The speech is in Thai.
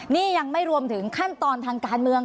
นี่ยังไม่รวมถึงขั้นตอนทางการเมือง